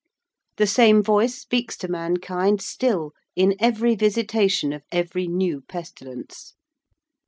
The same voice speaks to mankind still in every visitation of every new pestilence.